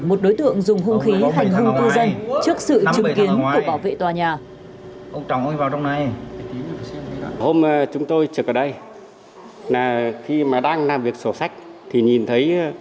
một đối tượng dùng hung khí hành hung cư dân trước sự chứng kiến của bảo vệ tòa nhà